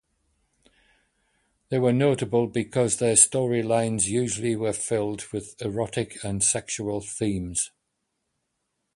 They were notable because their storylines usually were filled with erotic and sexual themes.